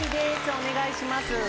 お願いします。